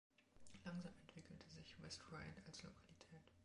Langsam entwickelte sich West Ryde als Lokalität.